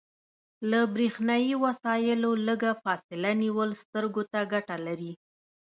له بریښنایي وسایلو لږه فاصله نیول سترګو ته ګټه لري.